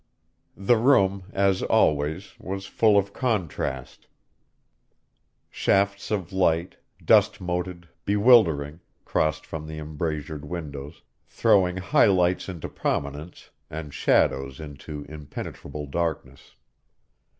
The room, as always, was full of contrast; shafts of light, dust moted, bewildering, crossed from the embrasured windows, throwing high lights into prominence and shadows into impenetrable darkness.